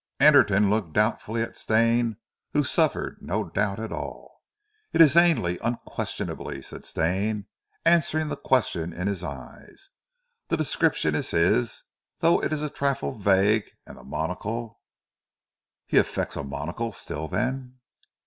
Anderton looked doubtfully at Stane who suffered no doubt at all. "It is Ainley, unquestionably," said Stane, answering the question in his eyes. "The description is his, though it is a trifle vague and the monocle " "He affects a monocle still then?"